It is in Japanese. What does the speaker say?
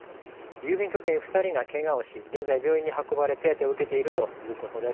郵便局員２人がけがをし現在、病院に運ばれ手当てを受けているということです。